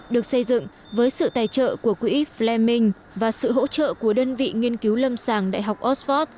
được xây dựng với sự tài trợ của quỹ fleming và sự hỗ trợ của đơn vị nghiên cứu lâm sàng đại học oxford